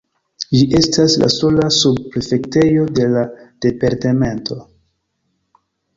Ĝi estas la sola subprefektejo de la departemento.